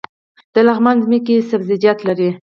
د لغمان ځمکې سبزیجات لري